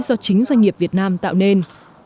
do chính doanh nghiệp việt nam tạo nên